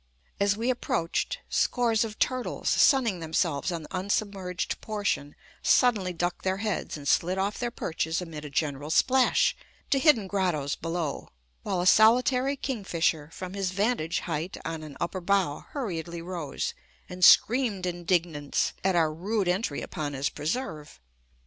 As we approached, scores of turtles, sunning themselves on the unsubmerged portion, suddenly ducked their heads and slid off their perches amid a general splash, to hidden grottos below; while a solitary king fisher from his vantage height on an upper bough hurriedly rose, and screamed indignance at our rude entry upon his preserve.